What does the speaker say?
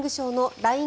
ＬＩＮＥ